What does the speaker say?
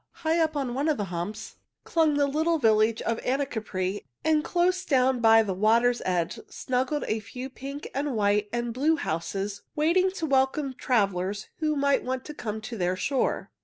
High up on one of the humps clung the little village of Anacapri, and close down by the water's edge snuggled a few pink and white and blue houses waiting to welcome travelers who might come to their shore.